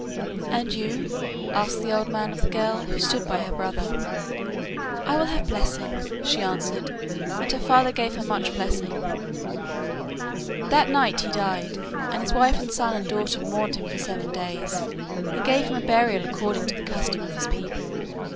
'And you?' asked the old man of the girl, who stood by her brother. 'I will have blessing,' she answered, and her father gave her much blessing. That night he died, and his wife and son and daughter mourned for him seven days, and gave him a burial according to the custom of his people.